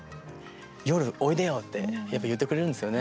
夜おいでよって言ってくれるんですよね